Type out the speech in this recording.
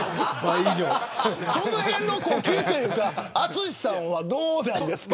そのへんの呼吸というか淳さんはどうですか。